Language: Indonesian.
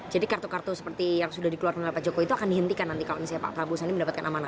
jadi kartu kartu seperti yang sudah dikeluarkan oleh pak jokowi itu akan dihentikan nanti kalau pak trabu sandi mendapatkan amanah